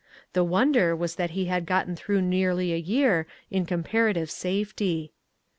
The wonder was that he had gotten through nearly a year in com parative safety.